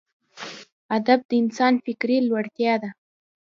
ادب د انسان فکري لوړتیا ده.